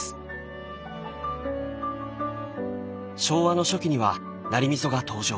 昭和の初期にはナリ味噌が登場。